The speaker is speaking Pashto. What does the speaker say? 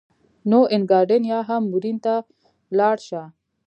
نو اینګادین یا هم مورین ته ولاړ شه.